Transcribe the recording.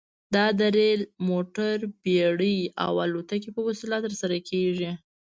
دا د ریل، موټر، بېړۍ او الوتکې په وسیله ترسره کیږي.